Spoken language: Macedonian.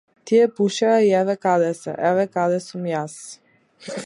Тие пушеа и еве каде се, еве каде сум јас.